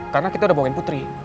karena kita udah bohongin putri